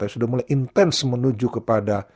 tapi sudah mulai intens menuju kepada